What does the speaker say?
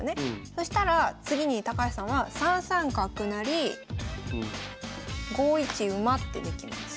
そしたら次に高橋さんは３三角成５一馬ってできます。